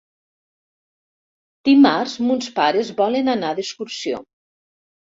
Dimarts mons pares volen anar d'excursió.